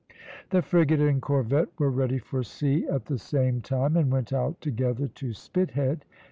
The frigate and corvette were ready for sea at the same time, and went out together to Spithead.